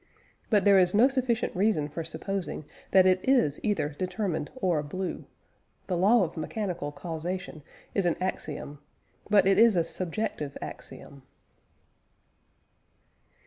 But there is no sufficient reason for supposing that it is either determined or blue. The law of mechanical causation is an axiom, but it is a subjective axiom.